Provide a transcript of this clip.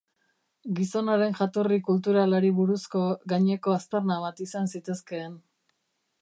Gizonaren jatorri kulturalari buruzko gaineko aztarna bat izan zitezkeen.